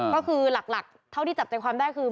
ก็คือหลักเท่าที่จับใจความแบบ